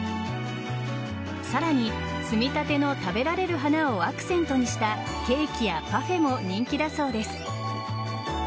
さらに摘みたての食べられる花をアクセントにしたケーキやパフェも人気だそうです。